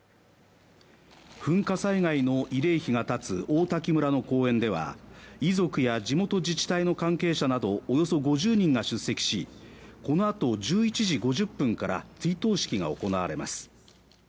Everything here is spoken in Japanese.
噴火災害の慰霊碑が建つ王滝村の公園では遺族や地元自治体の関係者などおよそ５０人が出席しこのあと１１時５０分から追悼式が行われます